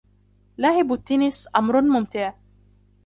لعب التنس أمر ممتع.